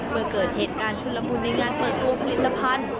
เมื่อเกิดเหตุการณ์ชุนละมุนในงานเปิดตัวผลิตภัณฑ์